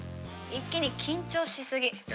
一輝兄緊張しすぎ。